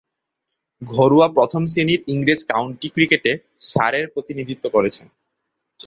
ঘরোয়া প্রথম-শ্রেণীর ইংরেজ কাউন্টি ক্রিকেটে সারের প্রতিনিধিত্ব করেছেন।